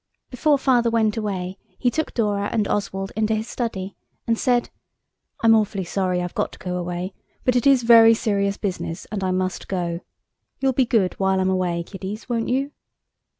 Before Father went away he took Dora and Oswald into his study, and said– "I'm awfully sorry I've got to go away, but it is very serious business, and I must go. You'll be good while I'm away, kiddies, won't you?"